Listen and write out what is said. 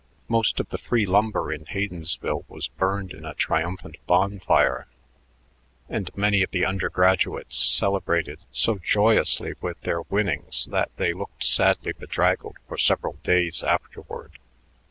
Most of the free lumber in Haydensville was burned in a triumphant bonfire, and many of the undergraduates celebrated so joyously with their winnings that they looked sadly bedraggled for several days afterward.